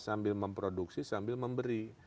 sambil memproduksi sambil memberi